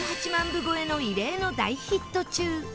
部超えの異例の大ヒット中。